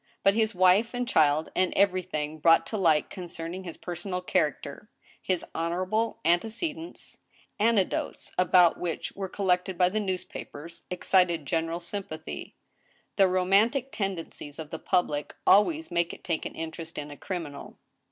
But his wife and child, and everything brought to light concerning his personal character, his honorable antecedents, anec dotes about which were collected by the newspapers, excited gen eral sympathy. The romantic tendencies of the public always make it take an interest in a criminal.